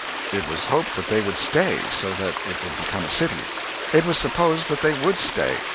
It was hoped that they would stay, so that it would become a city. It was supposed that they would stay.